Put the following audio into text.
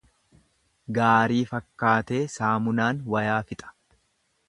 Gaarii fakkaatee saamunaan wayaa fixa.